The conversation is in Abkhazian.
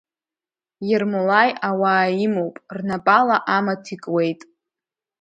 Ермолаи ауаа имоуп, рнапала амаҭ икуеит.